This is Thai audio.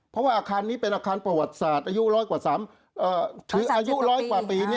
เพราะว่าอาคารนี้เป็นอาคารประวัติศาสตร์อายุ๑๐๓อาหารอายุ๑๐๐กว่าปี